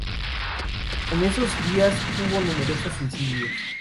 En esos dos días hubo numerosos suicidios.